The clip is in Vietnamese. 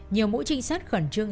nhiều mũi trinh sát khẩn trương